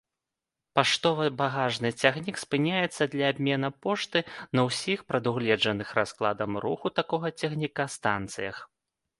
Паштова-багажны цягнік спыняецца для абмена пошты на ўсіх прадугледжаных раскладам руху такога цягніка станцыях.